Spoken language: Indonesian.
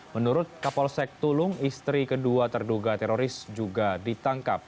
menurut kapolsek tulung istri kedua terduga teroris juga ditangkap